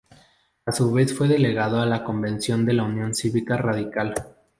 A su vez fue delegado a la convención de la Unión Cívica Radical.